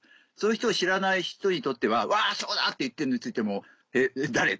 そういう人を知らない人にとっては「わそうだ！」って言ってても「えっ誰？」